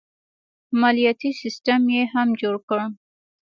مالیاتي سیستم یې هم جوړ کړ.